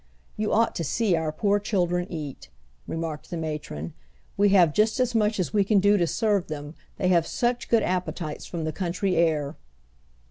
"You ought to see our poor children eat," remarked the matron. "We have just as much as we can do to serve them, they have such good appetites from the country air."